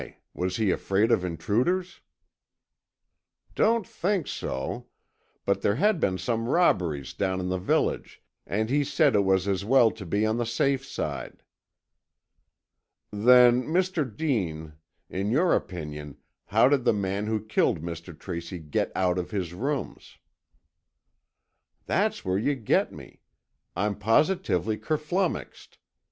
Was he afraid of intruders?" "Don't think so. But there had been some robberies down in the village and he said it was as well to be on the safe side." "Then, Mr. Dean, in your opinion, how did the man who killed Mr. Tracy get out of his rooms?" "That's where you get me. I'm positively kerflummixed.